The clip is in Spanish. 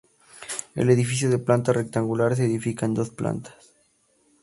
El edificio de planta rectangular se edifica en dos plantas.